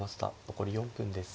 残り４分です。